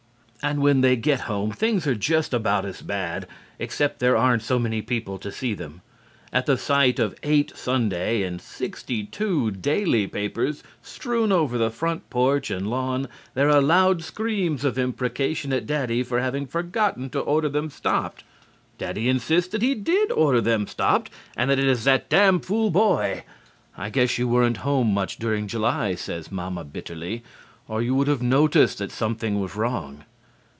And when they get home things are just about as bad, except there aren't so many people to see them. At the sight of eight Sunday and sixty two daily papers strewn over the front porch and lawn, there are loud screams of imprecation at Daddy for having forgotten to order them stopped. Daddy insists that he did order them stopped and that it is that damn fool boy. "I guess you weren't home much during July," says Mamma bitterly, "or you would have noticed that something was wrong."